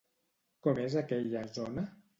Com és aquella zona?